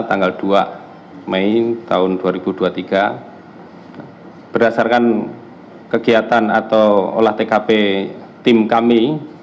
tanggal dua mei tahun dua ribu dua puluh tiga berdasarkan kegiatan atau olah tkp tim kami